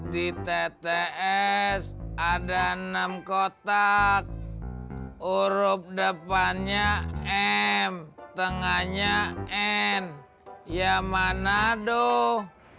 di tts ada enam kotak urup depannya m tengahnya n ya manado